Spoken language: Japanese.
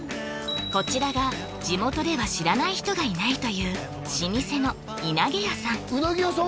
こちらが地元では知らない人がいないという老舗の稲毛屋さんうなぎ屋さん？